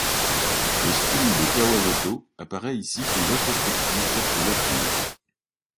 Le style de Kawamoto apparaît ici plus introspectif et mature.